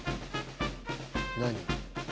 何？